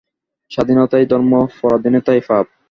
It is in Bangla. স্বাধীনতাই ধর্ম, পরাধীনতাই পাপ।